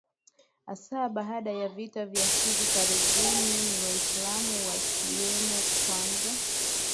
hasa baada ya vita vya hivi karibuni ni Waislamu wakiwemo kwanza